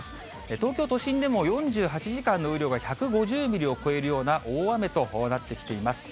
東京都心でも、４８時間の雨量が１５０ミリを超えるような大雨となってきています。